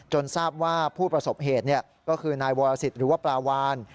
ทราบว่าผู้ประสบเหตุก็คือนายวรสิทธิ์หรือว่าปลาวาน